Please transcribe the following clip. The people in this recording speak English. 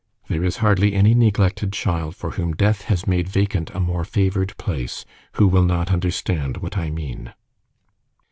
There is hardly any neglected child for whom death has made vacant a more favoured place, who will not understand what I mean.